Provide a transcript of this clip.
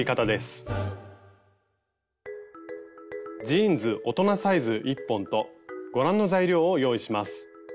ジーンズ大人サイズ１本とご覧の材料を用意します。